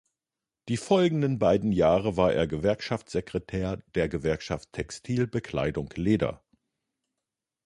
Die folgenden beiden Jahre war er Gewerkschaftssekretär der Gewerkschaft Textil, Bekleidung, Leder.